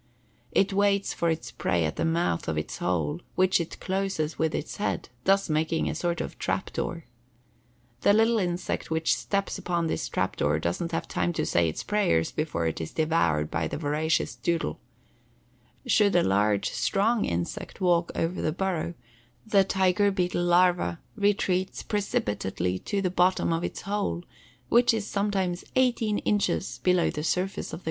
It waits for its prey at the mouth of its hole, which it closes with its head, thus making a sort of trap door. The little insect which steps upon this trap door doesn't have time to say its prayers before it is devoured by the voracious "doodle." Should a large, strong insect walk over the burrow, the tiger beetle larva retreats precipitately to the bottom of its hole, which is sometimes eighteen inches below the surface of the ground. [Illustration: BEETLES CHICAGO: A. W. MUMFORD, PUBLISHER.